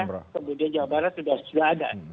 kemudian jawa barat sudah ada